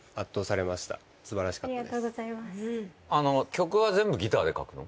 曲は全部ギターで書くの？